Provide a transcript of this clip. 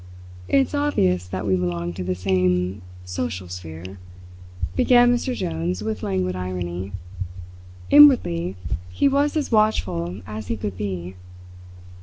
"It's obvious that we belong to the same social sphere," began Mr. Jones with languid irony. Inwardly he was as watchful as he could be.